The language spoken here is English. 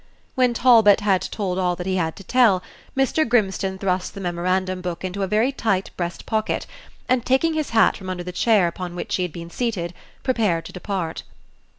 When Talbot had told all that he had to tell, Mr. Grimstone thrust the memorandum book into a very tight breast pocket, and, taking his hat from under the chair upon which he had been seated, prepared to depart.